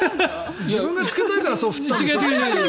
自分がつけたいからそう振ったんでしょ？